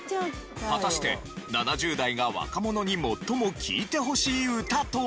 果たして７０代が若者に最も聴いてほしい歌とは？